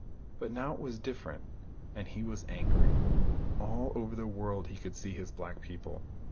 But now it was different, and he was angry. All over the world he could see his black people.